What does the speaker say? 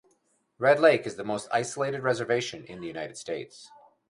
Red Lake is the most isolated reservation in the United States.